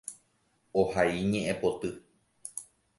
Ohai ñe'ẽpoty.